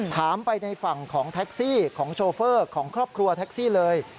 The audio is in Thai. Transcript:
ถามไปในฝั่งของแท็กซี่ของโชเฟอร์ของครอบครัวแท็กซี่เลย